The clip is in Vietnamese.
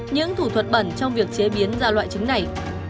những thủ thuật bẩn trong việc chế biến ra loại trứng này